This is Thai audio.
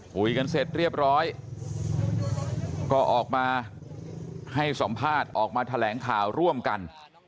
คุยกันเสร็จเรียบร้อยก็ออกมาให้สัมภาษณ์ออกมาแถลงข่าวร่วมกัน